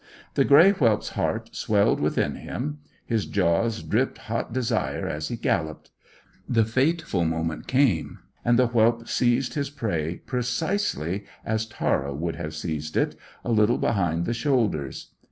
The grey whelp's heart swelled within him; his jaws dripped hot desire as he galloped. The fateful moment came, and the whelp seized his prey precisely as Tara would have seized it, a little behind the shoulders.